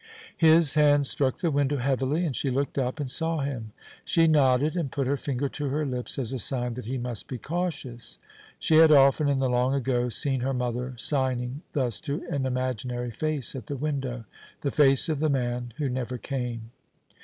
His hand struck the window heavily, and she looked up and saw him. She nodded, and put her finger to her lips as a sign that he must be cautious. She had often, in the long ago, seen her mother signing thus to an imaginary face at the window the face of the man who never came.